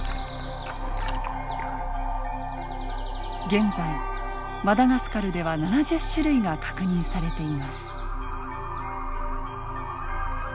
現在マダガスカルでは７０種類が確認されています。